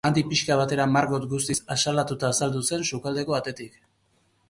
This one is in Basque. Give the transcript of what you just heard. Handik pixka batera Margot guztiz asaldatuta azaldu zen sukaldeko atetik.